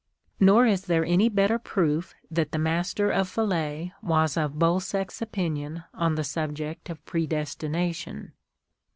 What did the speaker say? " Nor is there any better proof that the Master of Falais was of Bolsec's opinion on the subject of predestination.